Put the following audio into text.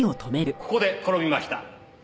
ここで転びました。